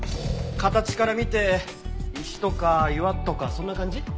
形から見て石とか岩とかそんな感じ。